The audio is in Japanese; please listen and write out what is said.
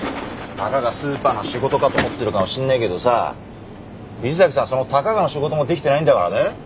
たかがスーパーの仕事かと思ってるかもしんねえけどさ藤崎さんその「たかが」の仕事もできてないんだからね。